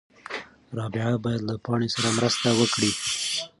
رابعه باید له پاڼې سره مرسته وکړي.